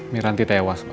miranti tewas pak